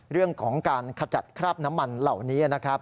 เรื่องของการขจัดคราบน้ำมันเหล่านี้นะครับ